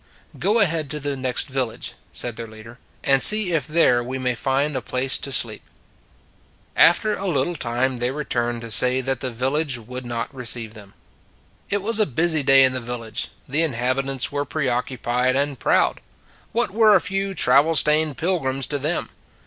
" Go ahead to the next village," said their Leader, " and see if there we may find a place to sleep." After a little time they returned to say that the village would not receive them. It was a busy day in the village; the in habitants were preoccupied and proud : An Insignificant Man 57 what were a few travel stained pilgrims to them!